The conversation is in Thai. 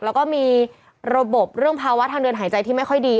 แล้วก็มีระบบเรื่องภาวะทางเดินหายใจที่ไม่ค่อยดี